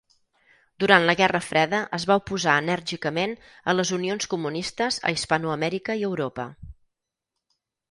Durant la Guerra Freda es va oposar enèrgicament a les unions comunistes a Hispanoamèrica i Europa.